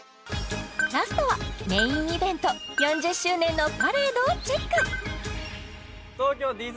ラストはメインイベント４０周年のパレードをチェック